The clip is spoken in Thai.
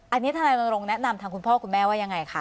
อันนี้ทนายรณรงค์แนะนำทางคุณพ่อคุณแม่ว่ายังไงคะ